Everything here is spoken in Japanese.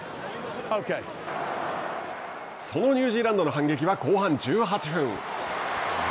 そのニュージーランドの反撃は後半１８分。